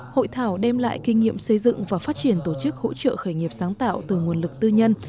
hội thảo đem lại kinh nghiệm xây dựng và phát triển tổ chức hỗ trợ khởi nghiệp sáng tạo từ nguồn lực tư nhân